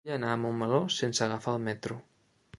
Vull anar a Montmeló sense agafar el metro.